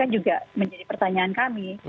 juga menjadi pertanyaan kami